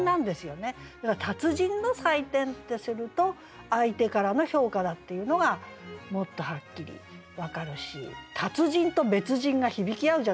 だから「達人の採点」ってすると相手からの評価だっていうのがもっとはっきり分かるし「達人」と「別人」が響き合うじゃないですか。